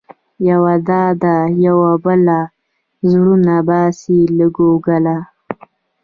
یوه دا ده يوه بله، زړونه باسې له ګوګله